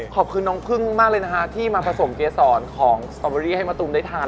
ขอบคุณน้องพึ่งมากเลยนะคะที่มาผสมเกษรของสตอเบอรี่ให้มะตูมได้ทาน